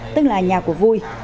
tức là nhà của vui